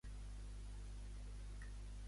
A quins festivals de teatre ha assistit Aymar?